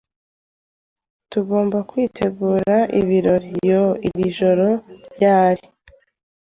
"Tugomba kwitegura ibirori." "Yoo, iri joro ryari?"